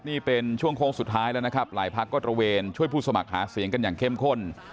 นี่เป็นช่วงโค้งสุดท้ายแล้วนะครับหลายพักก็ตระเวนช่วยผู้สมัครหาเสียงกันอย่างเข้มข้น